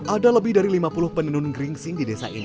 ada lebih dari lima puluh penenun geringsing di desa ini